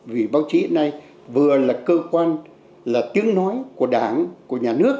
vì báo chí này vừa là cơ quan là tiếng nói của đảng của nhà nước